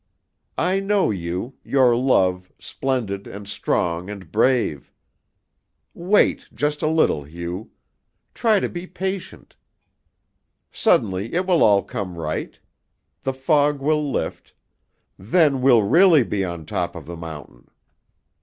I know you your love, splendid and strong and brave. Wait just a little, Hugh. Try to be patient. Suddenly it will all come right. The fog will lift. Then we'll really be on top of the mountain."